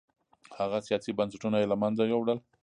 هغه سیاسي بنسټونه یې له منځه یووړل